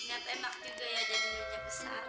inget emak juga ya jadinya oca besar